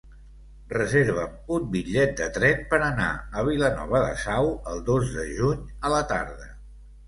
Reserva'm un bitllet de tren per anar a Vilanova de Sau el dos de juny a la tarda.